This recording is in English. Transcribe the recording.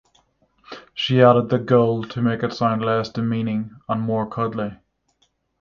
She added the "-gle" to make it sound less demeaning and more "cuddly".